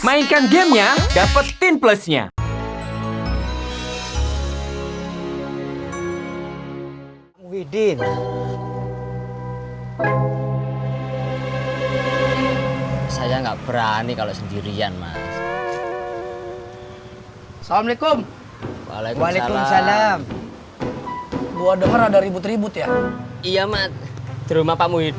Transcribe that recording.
mainkan gamenya dapetin plusnya